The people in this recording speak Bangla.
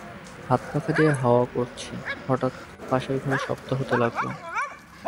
হাতপাখা দিয়ে হাওয়া করছি, হঠাৎ পাশের ঘরে শব্দ হতে লাগল।